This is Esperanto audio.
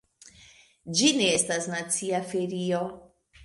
Ĝi ne estas nacia ferio.